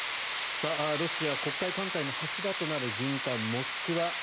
ロシア黒海艦隊の柱となる軍艦「モスクワ」。